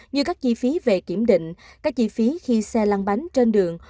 như các chi phí về kiểm định các chi phí khi xe lăng bánh trên đường